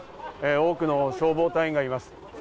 多くの消防隊員がいます。